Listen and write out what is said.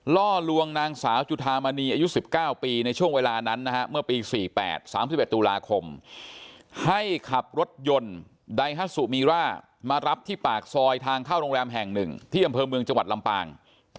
ล่อลวงนางสาวจุธามณีอายุ๑๙ปีในช่วงเวลานั้นนะฮะเมื่อปี๔๘๓๑ตุลาคมให้ขับรถยนต์ไดฮัสซูมีร่ามารับที่ปากซอยทางเข้าโรงแรมแห่ง๑ที่อำเภอเมืองจังหวัดลำปาง